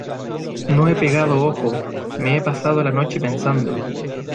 no he pegado ojo. me he pasado la noche pensando